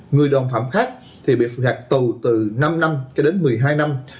người đồng phạm khác thì bị phạt tù từ năm năm cho đến một mươi hai năm